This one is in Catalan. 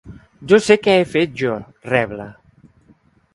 Jo sé què he fet jo, rebla.